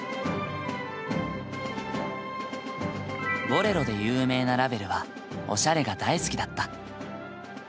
「ボレロ」で有名なラヴェルはおしゃれが大好きだった。